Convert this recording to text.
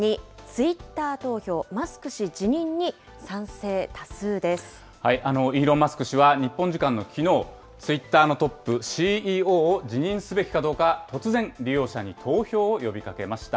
イーロン・マスク氏は日本時間のきのう、ツイッターのトップ、ＣＥＯを辞任すべきかどうか、突然、利用者に投票を呼びかけました。